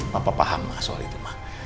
papa paham lah soal itu ma